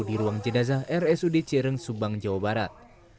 di ruang jenazah rsud cireng subang jawa barat